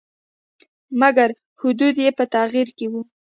مګر حدود یې په تغییر کې وو.